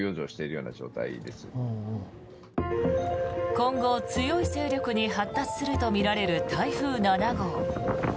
今後、強い勢力に発達するとみられる台風７号。